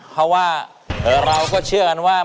เพราะว่าเราก็เชื่อกันว่า